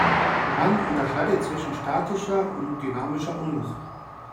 Man unterscheidet zwischen statischer und dynamischer Unwucht.